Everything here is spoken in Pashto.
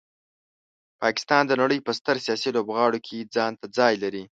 پاکستان د نړۍ په ستر سیاسي لوبغاړو کې ځانته ځای لري.